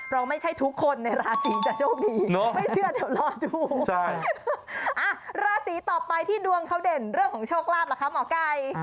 ล่าสีต่อไปที่ดวงเขาเด่นเรื่องของโชคราบเหรอคะหมอกัย